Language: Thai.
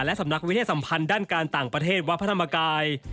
สำนักวิทยาสัมพันธ์ด้านการต่างประเทศวัดพระธรรมกาย